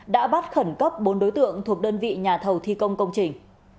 đã bắt khẩn cấp bốn đối tượng thuộc đơn vị nhà thầu thi công công trình